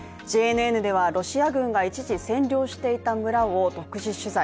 ＪＮＮでは、ロシア軍が一時占領していた村を独自取材。